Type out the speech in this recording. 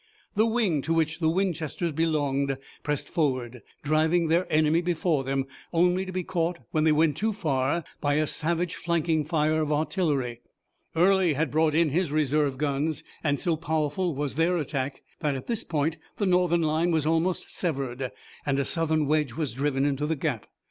The wing to which the Winchesters belonged pressed forward, driving their enemy before them, only to be caught when they went too far by a savage flanking fire of artillery. Early had brought in his reserve guns, and so powerful was their attack that at this point the Northern line was almost severed, and a Southern wedge was driven into the gap.